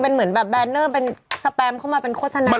เป็นเหมือนแบบแบรนเนอร์เป็นสแปมเข้ามาเป็นโฆษณา